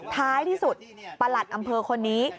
ท้ายที่สุดประหลัดอำเภอคนนี้